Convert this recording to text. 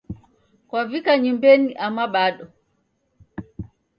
Kwavika nyumbenyi ama bado.